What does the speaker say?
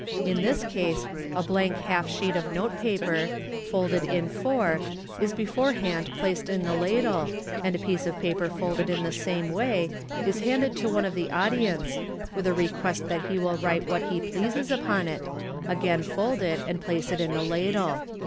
In this case a blank half sheet of note paper, folded in four, is beforehand placed in the ladle, and a piece of paper folded in the same wa\ us handed to one of the audience, with a request that he will write wl\at he pleases upon it, again fold it, and place it in the ladle.